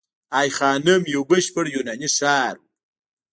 ای خانم یو بشپړ یوناني ښار و